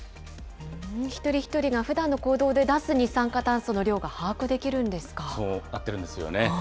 一人一人がふだんの行動で出す二酸化炭素の量が把握できるんそうなってるんですよね。